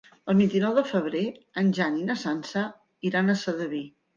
El vint-i-nou de febrer en Jan i na Sança iran a Sedaví.